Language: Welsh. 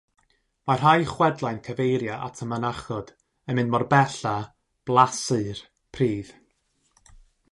Mae rhai chwedlau'n cyfeirio at y mynachod yn mynd mor bell â “blasu'r” pridd.